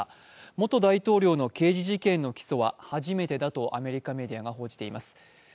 元大統領の刑事事件の起訴は初めてだとアメリカメディアが報じています。